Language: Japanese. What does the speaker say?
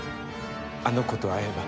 あの子と会えば。